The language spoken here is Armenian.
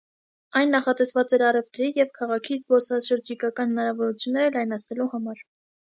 Այն նախատեսված էր առևտրի ու քաղաքի զբոսաշրջիկական հնարավորությունները լայնացնելու համար։